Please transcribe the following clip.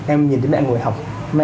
em nhìn thấy mẹ ngồi học